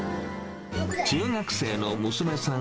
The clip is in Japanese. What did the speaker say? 中学生の娘さん